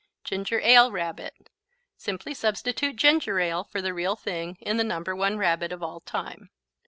Ginger Ale Rabbit Simply substitute ginger ale for the real thing in the No. 1 Rabbit of all time.